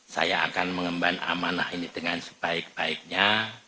saya akan mengemban amanah ini dengan sebaik baiknya